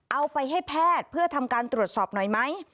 เอาไปให้แพทย์เพื่อทำการตรวจสอบหน่อยไหม